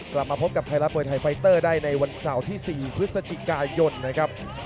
กลับมาพบกับไทยรัฐมวยไทยไฟเตอร์ได้ในวันเสาร์ที่๔พฤศจิกายนนะครับ